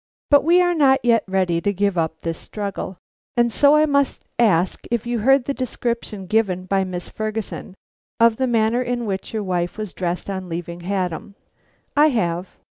But we are not yet ready to give up the struggle, and so I must ask if you heard the description given by Miss Ferguson of the manner in which your wife was dressed on leaving Haddam? "I have."